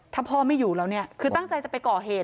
ถ้าพ่อไม่อยู่แล้วเนี่ยคือตั้งใจจะไปก่อเหตุ